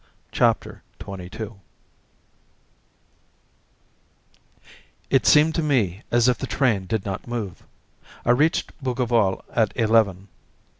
Chapter XXII It seemed to me as if the train did not move. I reached Bougival at eleven.